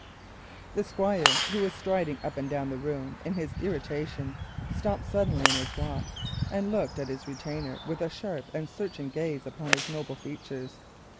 The Squire, who was striding up and down the room in his irritation, stopped suddenly in his walk, and looked at his retainer with a sharp and searching gaze upon his noble features.